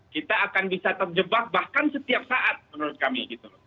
kita akan bisa terjebak bahkan setiap saat menurut kami